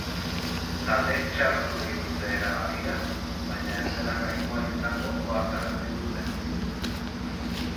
Taldeek txalotu egin dute erabakia, baina ez dela nahikoa izango ohartarazi dute.